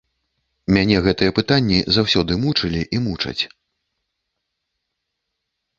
Мяне гэтыя пытанні заўсёды мучылі і мучаць.